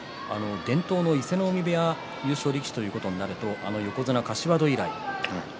伝統の伊勢ノ海部屋の優勝力士ということになるとあの横綱の柏戸以来。